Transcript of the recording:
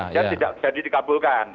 maka itu tidak jadi dikabulkan